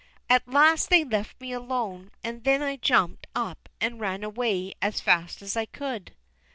At last they left me alone, and then I jumped up and ran away as fast as I could."